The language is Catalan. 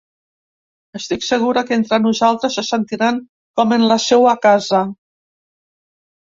Estic segura que entre nosaltres se sentiran com en la seua casa.